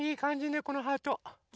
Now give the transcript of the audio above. ねこのハート。